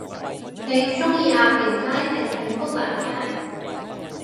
你鍾意鴨寮街定係砵蘭街？